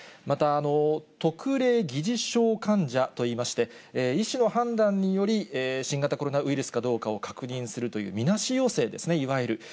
また、特例疑似症患者といいまして、医師の判断により、新型コロナウイルスかどうかを確認するという、見なし陽性ですね、いわゆる。